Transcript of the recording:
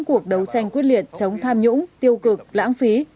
cuộc đấu tranh quyết liệt chống tham nhũng tiêu cực lãng phí